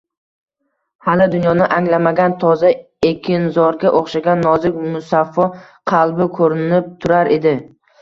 Hali dunyoni anglamagan, toza ekinzorga o‘xshagan nozik, musaffo qalbi... ko‘rinib turar edi!